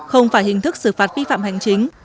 không phải hình thức xử phạt vi phạm hành chính